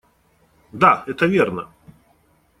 Да, это верно.